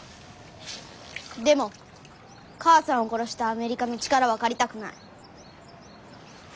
でも母さんを殺したアメリカの力は借りたくない。